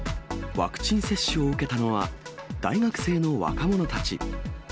ワクチン接種を受けたのは、大学生の若者たち。